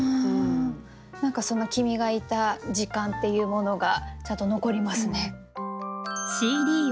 何かその君がいた時間っていうものがちゃんと残りますね。